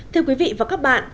thưa quý vị và các bạn